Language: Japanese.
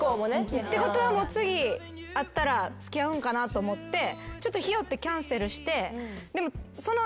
ってことは次会ったら付き合うんかなと思ってちょっとひよってキャンセルして。